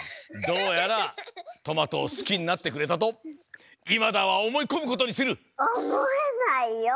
どうやらトマトを好きになってくれたとイマダーは思いこむことにする！